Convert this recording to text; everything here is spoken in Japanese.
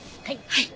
はい。